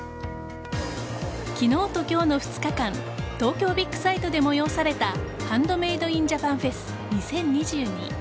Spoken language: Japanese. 昨日と今日の２日間東京ビッグサイトで催されたハンドメイドインジャパンフェス２０２２。